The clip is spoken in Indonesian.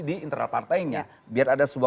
di internal partainya biar ada sebuah